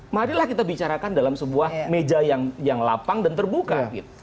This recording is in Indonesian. marilah kita bicarakan dalam sebuah meja yang lapang dan terbuka